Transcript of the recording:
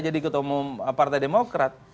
jadi ketemu partai demokrat